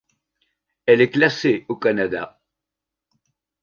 Elle est classée au Canada.